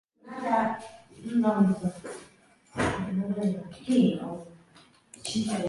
Хоёр жилийн хойно тэнд хоёр сайхан саглагар мод ургав.